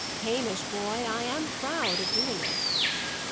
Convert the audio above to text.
"Hamish, boy, I am proud of doing it."